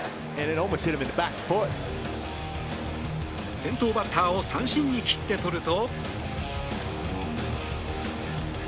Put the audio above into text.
先頭バッターを三振に切ってとると。